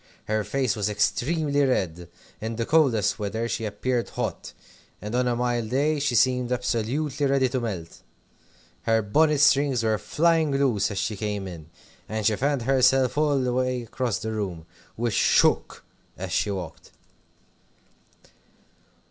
Her face was extremely red. In the coldest weather she appeared hot, and on a mild day she seemed absolutely ready to melt. Her bonnet strings were flying loose as she came in, and she fanned herself all the way across the room, which shook as she walked.